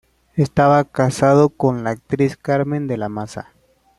Estaba casado con la actriz Carmen de la Maza.